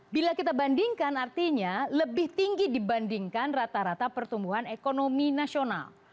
bila kita bandingkan artinya lebih tinggi dibandingkan rata rata pertumbuhan ekonomi nasional